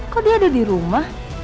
kok dia ada di rumah